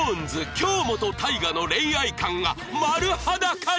京本大我の恋愛観が丸裸に！？